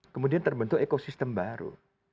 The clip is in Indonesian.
kemudian terbentuk ekosistem baru